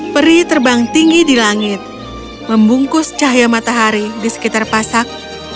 peri terbang tinggi di langit membungkus cahaya matahari di sekitar pasak